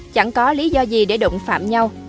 chẳng có lý do gì để động phạm nhau